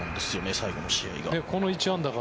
最後の試合が。